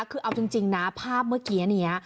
คือเอาจริงนะภาพเมื่อกี้นี้